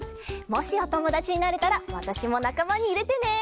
もしおともだちになれたらわたしもなかまにいれてね！